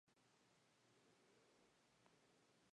Durante ese tiempo mantuvo correspondencia con Gropius.